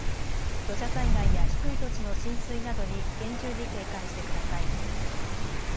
土砂災害や低い土地の浸水などに厳重に警戒してください。